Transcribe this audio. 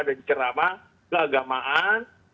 dan ceramah keagamaan